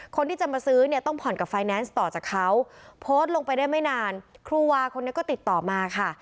คนที่จะมาซื้อเนี่ยต้องผ่อนกับไฟแนนซ์ต่อจากเขาโพสต์ลงไปได้ไม่นานครูวาคนนี้ก็ติดต่อมาค่ะ